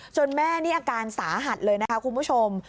แม่นี่อาการสาหัสเลยนะคะคุณผู้ชม